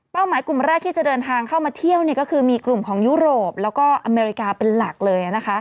หมายกลุ่มแรกที่จะเดินทางเข้ามาเที่ยวก็คือมีกลุ่มของยุโรปแล้วก็อเมริกาเป็นหลักเลย